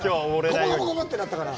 ゴボゴボゴボってなったから。